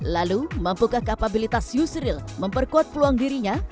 lalu mampukah kapabilitas yusril memperkuat peluang dirinya